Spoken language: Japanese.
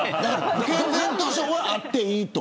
不健全図書はあっていい。